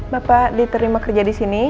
bapak diterima kerja disini